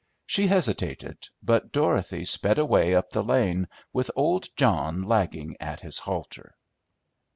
She hesitated, but Dorothy sped away up the lane with old John lagging at his halter.